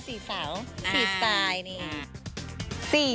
๔สไตล์นี่